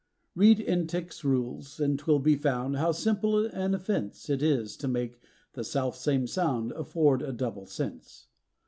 Read Entick's rules, and 'twill be found, how simple an offence It is to make the self same sound afford a double sense.